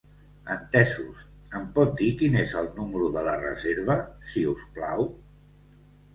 Entesos, em pot dir quin és el número de la reserva, si us plau?